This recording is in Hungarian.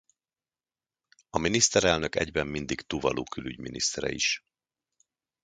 A miniszterelnök egyben mindig Tuvalu külügyminisztere is.